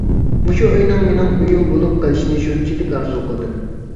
مۇشۇ ئۆينىڭ مېنىڭ ئۆيۈم بولۇپ قېلىشىنى شۇنچىلىك ئارزۇ قىلدىم.